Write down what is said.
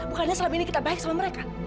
bukannya selama ini kita baik sama mereka